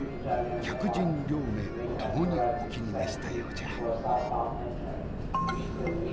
客人両名ともにお気に召したようじゃ。